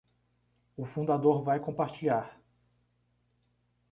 O fundador vai compartilhar